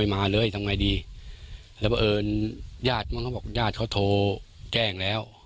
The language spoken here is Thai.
มาเลยทำไงดีแล้วเพราะเอิญญาติมันก็บอกญาติเขาโทรแจ้งแล้ว